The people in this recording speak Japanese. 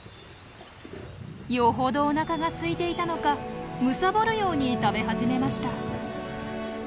よほどおなかがすいていたのかむさぼるように食べ始めました。